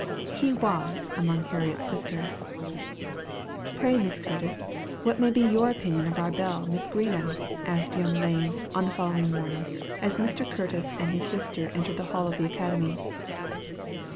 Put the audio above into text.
He was among Harriet's visitors. "Pray, Miss Curtis, what may be your opinion of our belle, Miss Greenough?" asked young Lane, on the following morning, as Mr. Curtis and his sister entered the hall of the academy.